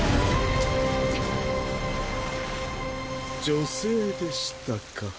女性でしたか。